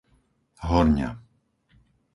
Horňa